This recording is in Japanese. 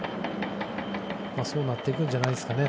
そうなってくんじゃないですかね。